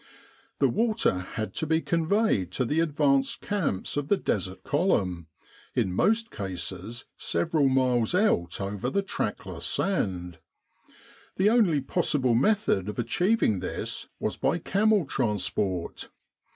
The water had to be conveyed to the advanced camps of the Desert Column, in most cases several miles out over the trackless sand. The only possible method of achieving this was by camel transport.